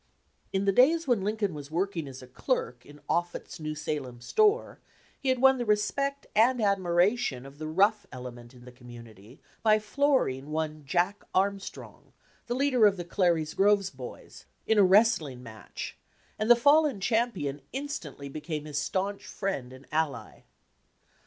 In the days when Lincoln was working as a clerk in Offutt's New Salem store he had won the respect and admiration of the rough element in the community by flooring one Jack Armstrong, the leader of the Clary's Grove boys, in a wrestling match, and the fallen champion in stantly became his stanch friend and ally.